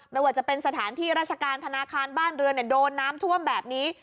ไม่ว่าจะเป็นสถานที่ราชการธนาคารบ้านเรือนโดนน้ำท่วมแบบนี้